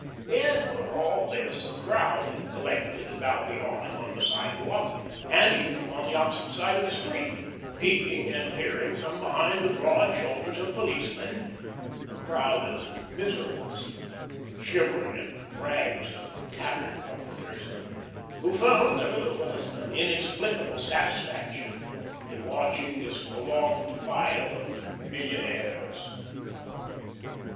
Yet for all this, a crowd had collected about the awning on the sidewalk, and even upon the opposite side of the street, peeping and peering from behind the broad shoulders of policemen a crowd of miserables, shivering in rags and tattered comforters, who found, nevertheless, an unexplainable satisfaction in watching this prolonged defile of millionaires.